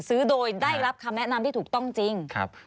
ซื้อโดยได้รับคำแนะนำที่ถูกต้องจริงครับ